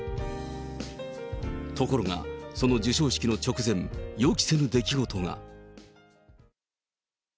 ところが、その授賞式の直前、予期せぬ出来事が。